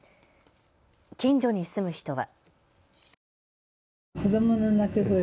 近所に住む人は。